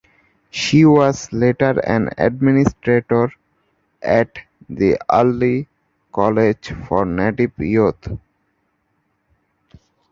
She was later an administrator at the Early College for Native Youth.